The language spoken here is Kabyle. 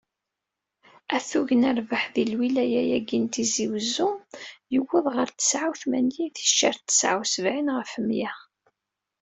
Atug n rrbeḥ di lwilya-agi n Tizi Uzzu, yewweḍ ɣer tesεa u tmanyin ticcer teεa u sebεin ɣef mya.